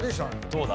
どうだ？